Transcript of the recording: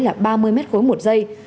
là ba mươi m ba một giây